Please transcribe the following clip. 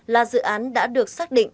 là dự án đã được xác định